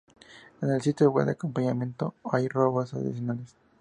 En el sitio web de acompañamiento hay robots adicionales.